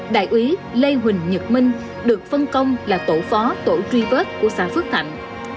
đại úy lê huỳnh nhật minh được phân công là tổ phó tổ truy vết của xã phước thạnh